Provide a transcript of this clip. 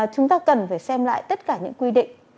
chúng ta cần phải xem lại tất cả những quy định